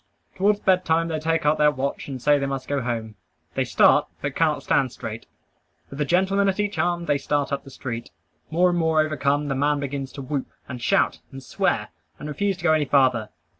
Towards bed time they take out their watch and say they must go home. They start, but cannot stand straight. With a gentleman at each arm, they start up the street. More and more overcome, the man begins to whoop, and shout, and swear, and refuse to go any farther.